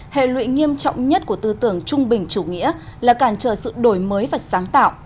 hệ lụy nghiêm trọng nhất của tư tưởng trung bình chủ nghĩa là cản trở sự đổi mới và sáng tạo